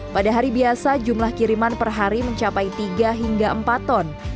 pada hari biasa jumlah kiriman per hari mencapai tiga hingga empat ton